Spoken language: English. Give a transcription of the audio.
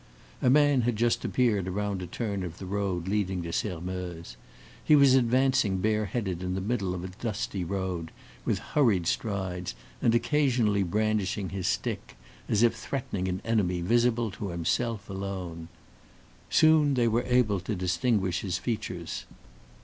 A man had just appeared around a turn of the road leading to Sairmeuse. He was advancing bareheaded in the middle of the dusty road, with hurried strides, and occasionally brandishing his stick, as if threatening an enemy visible to himself alone. Soon they were able to distinguish his features.